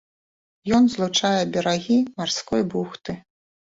Ён злучае берагі марской бухты.